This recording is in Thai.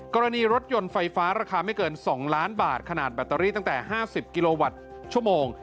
กรณีรถยนต์ไฟฟ้าราคาไม่เกิน๒ล้านบาทขนาดแบตเตอรี่ตั้งแต่๕๐กิโลวัตต์ชั่วโมง